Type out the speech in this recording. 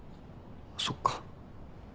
そっか。